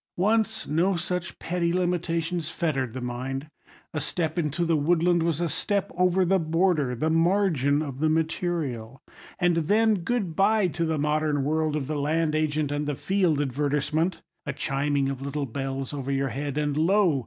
Once, no such petty limitations fettered the mind. A step into the woodland was a step over the border—the margin of the material; and then, good bye to the modern world of the land agent and the "Field" advertisement! A chiming of little bells over your head, and lo!